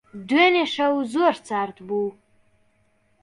دوێنێ شەو زۆر سارد بوو.